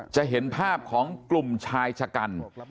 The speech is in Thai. จะเห็นภาพของกลุ่มชายชะกัน